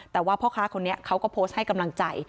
แต่ว่าพ่อค้าคนนี้เขาก็โพสต์ให้กำลังใจ